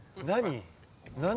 何？